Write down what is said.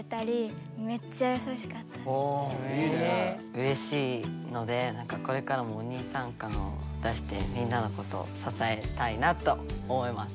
うれしいのでなんかこれからもお兄さん感を出してみんなのことをささえたいなと思います。